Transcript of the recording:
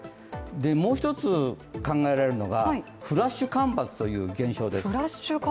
もう一つ、考えられるのがフラッシュ干ばつという現象です。